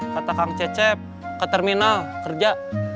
kata kang cecep ke terminal kerja